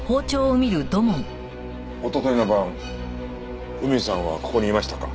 一昨日の晩海さんはここにいましたか？